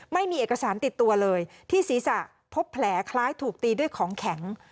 ไม่มีเอกสารติดตัวเลยที่ศีรษะพบแผลคล้ายถูกตีด้วยของแข็ง